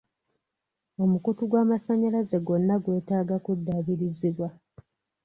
Omukutu gw'amasanyalaze gwonna gwetaaga okudaabirizibwa.